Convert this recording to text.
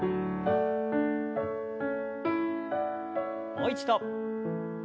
もう一度。